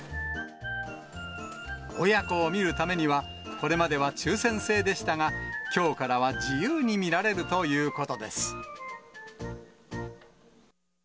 親子を見るためには、これまでは抽せん制でしたが、きょうからは自由に見られるということです。